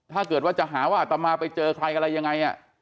ถ้าเกิดว่าจะหาว่าอัตมาไปเจอใครอะไรยังไง